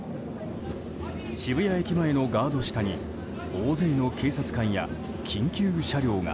渋谷駅前のガード下に大勢の警察官や緊急車両が。